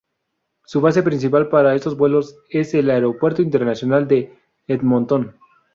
Su base principal para estos vuelos es el Aeropuerto Internacional de Edmonton.